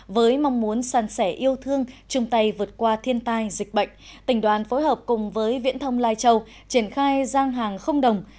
với mong muốn san sẻ yêu thương chung tay vượt qua thiên tai dịch bệnh tỉnh đoàn phối hợp cùng với viễn thông lai châu triển khai giang hàng không đồng